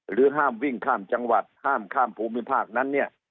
ห้ามวิ่งข้ามจังหวัดห้ามข้ามภูมิภาคนั้นเนี่ย